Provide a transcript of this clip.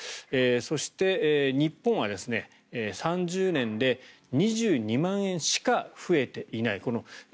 そして日本は３０年で２２万円しか増えていない。